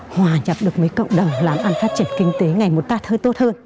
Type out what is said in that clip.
hòa nhập được với cộng đồng làm ăn phát triển kinh tế ngày một tát hơi tốt hơn